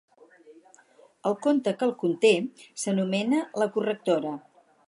El conte que el conté s'anomena «La correctora».